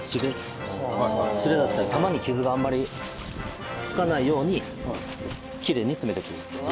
擦れだったり玉に傷があんまりつかないようにきれいに詰めていく。